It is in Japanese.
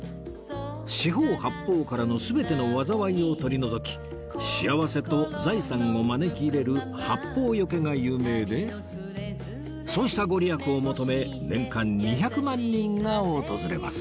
四方八方からの全ての災いを取り除き幸せと財産を招き入れる八方除が有名でそうした御利益を求め年間２００万人が訪れます